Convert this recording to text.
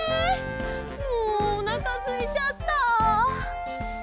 もうおなかすいちゃった！